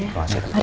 terima kasih dok